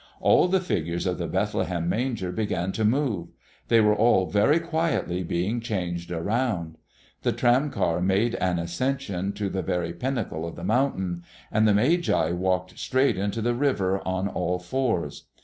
All the figures of the Bethlehem manger began to move; they were all very quietly being changed around. The tram car made an ascension to the very pinnacle of the mountain; and the Magi walked straight into the river on all fours.